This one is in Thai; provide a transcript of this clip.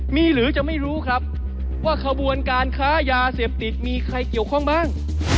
มีหรือจะไม่รู้ครับว่าขบวนการค้ายาเสพติดมีใครเกี่ยวข้องบ้าง